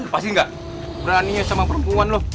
pasti gak beraninya sama perempuan lo